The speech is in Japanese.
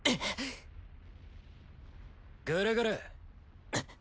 グルグル。